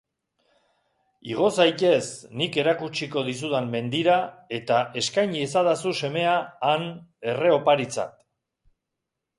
Igo zaitez nik erakutsiko dizudan mendira eta eskain iezadazu semea han erre-oparitzat.